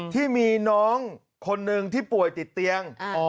ที่มีน้องคนหนึ่งที่ป่วยติดเตียง